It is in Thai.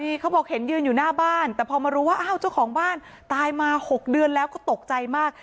นี่เขาบอกเห็นยืนอยู่หน้าบ้านแต่พอมารู้ว่าอ้าวเจ้าของบ้านตายมา๖เดือนแล้วก็ตกใจมาก